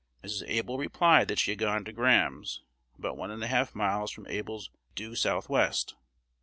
Mrs. Able replied that she had gone to Graham's, about one and a half miles from Able's due south west.